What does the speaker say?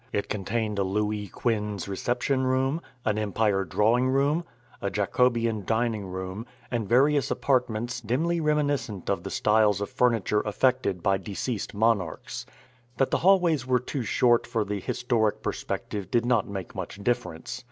It contained a Louis Quinze reception room, an Empire drawing room, a Jacobean dining room, and various apartments dimly reminiscent of the styles of furniture affected by deceased monarchs. That the hallways were too short for the historic perspective did not make much difference.